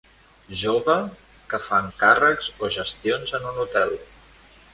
Jove que fa encàrrecs o gestions en un hotel.